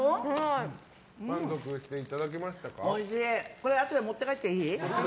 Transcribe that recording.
これ、あとで持って帰っていい？